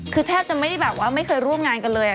คือแทบจะไม่ได้แบบว่าไม่เคยร่วมงานกันเลย